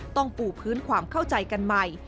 ปูพื้นความเข้าใจกันใหม่